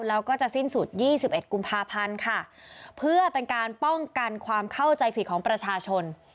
แล้วก็จะสิ้นสุดยี่สิบเอ็ดกุมภาพันธ์ค่ะเพื่อเป็นการป้องกันความเข้าใจผิดของประชาชน